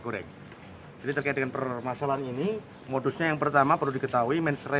goreng jadi terkait dengan permasalahan ini modusnya yang pertama perlu diketahui menserai